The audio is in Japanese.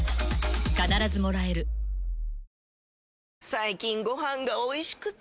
最近ご飯がおいしくて！